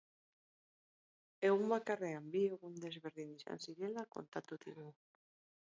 Egun bakarrean bi egun desberdin izan zirela kontatu digu.